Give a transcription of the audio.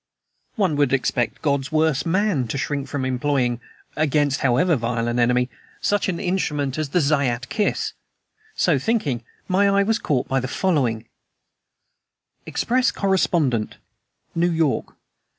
One would expect God's worst man to shrink from employing against however vile an enemy such an instrument as the Zayat Kiss. So thinking, my eye was caught by the following: EXPRESS CORRESPONDENT NEW YORK.